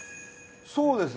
そうですね